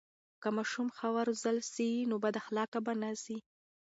که ماشوم ښه و روزل سي، نو بد اخلاقه به نه سي.